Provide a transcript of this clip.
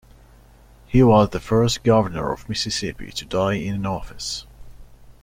He was the first Governor of Mississippi to die in office.